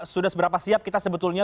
sudah seberapa siap kita sebetulnya